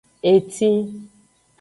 Etin.